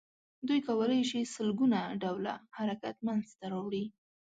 دوی کولای شي سل ګونه ډوله حرکت منځ ته راوړي.